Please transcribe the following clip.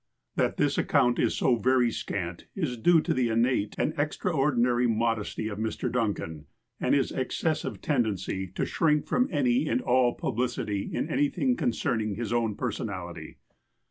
That this account is so very scant is due to the innate and extraordinary modesty of Mr. Duncan, and his excess ive tendency to shrink from any and all publicity in anything concerning his own personality.